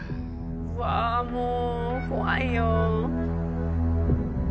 うわもう怖いよ。